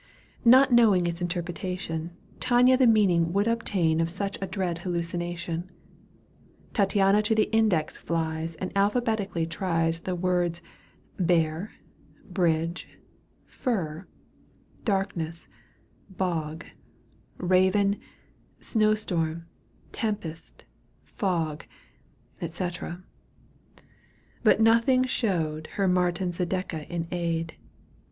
Not knowing its interpretation, Tania the meaning would obtain Of such a dread hallucination. Tattiana to the index flies And alphabetically tries ' The words bear, bridge, fir, darknsss, log, Haven, snowstorm, tempest, fog, M cetera; but nothing showed Her Martin Zadeka in aid.